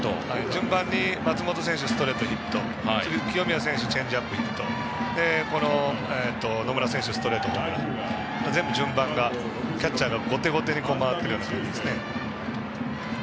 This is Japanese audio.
順番に松本選手がストレートヒット清宮選手はチェンジアップヒットそして野村選手、ストレートと。全部順番がキャッチャーが後手後手に回ってる感じですね。